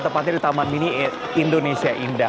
tepatnya di taman mini indonesia indah